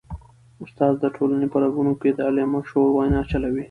استاد د ټولني په رګونو کي د علم او شعور وینه چلوي.